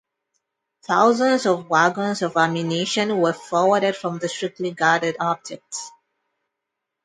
Thousands of wagons of ammunition were forwarded from the strictly guarded objects.